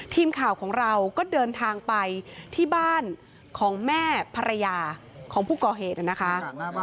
ทีมข่าวของเราก็เดินทางไปที่บ้านของแม่ภรรยาของผู้ก่อเหตุนะคะ